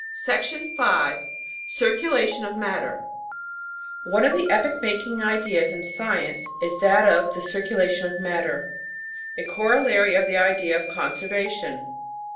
The Romance of Chemistry 731 3 Circulation of Matter One of the epoch making ideas in science is that of the cir culation of matter a corollary of the idea of conservation.